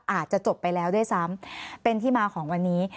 อาจจะจบไปแล้วด้วยซ้ำเป็นที่มาของวันนี้